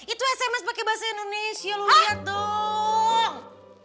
itu sms pakai bahasa indonesia lu lihat dong